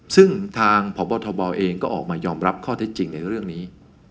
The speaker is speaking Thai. ซึ่งทางพบทบเองก็ออกมายอมรับข้อเท็จจริงในเรื่องนี้